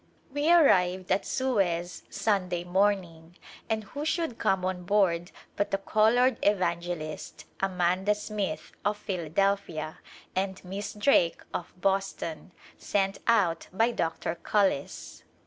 We arrived at Suez Sunday morning and who should come on board but the colored evangelist, Amanda Smith, of Philadelphia, and Miss Drake, of Boston, sent out by Dr. Cullis.